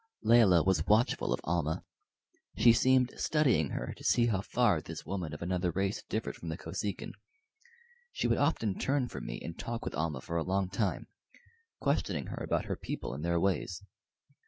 Layelah was watchful of Almah; she seemed studying her to see how far this woman of another race differed from the Kosekin. She would often turn from me and talk with Almah for a long time, questioning her about her people and their ways.